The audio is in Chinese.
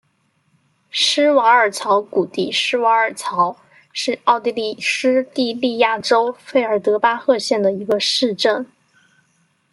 施瓦尔曹谷地施瓦尔曹是奥地利施蒂利亚州费尔德巴赫县的一个市镇。